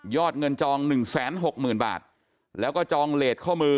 ยอดเงินจอง๑๖๖๐๐๐๐บาท